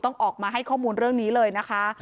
ต้องออกมาให้ข้อมูลเรื่องนี้เลยนะคะ